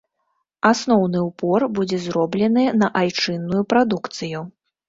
Асноўны ўпор будзе зроблены на айчынную прадукцыю.